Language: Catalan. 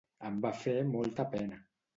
Em va fer molta pena.